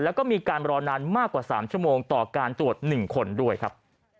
แล้วก็มีการรอนานมากกว่า๓ชั่วโมงต่อการตรวจ๑คนด้วยครับ